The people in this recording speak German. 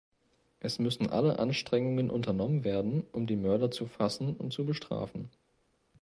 Es müssen alle Anstrengungen unternommen werden, um die Mörder zu fassen und zu bestrafen.